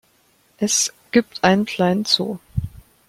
Es gibt einen kleinen Zoo.